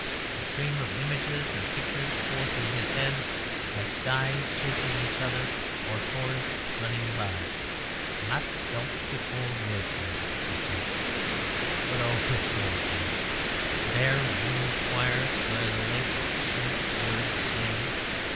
A stream of images and pictures pour through his head, like skies chasing each other or forests running by. "Not felt before Wordsworth!" he thinks. "Oh, but this won't do... bare ruined choirs where late the sweet birds sang...